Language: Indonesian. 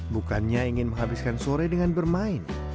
bukannya ingin menghabiskan sore dengan bermain